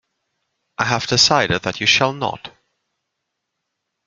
I have decided that you shall not.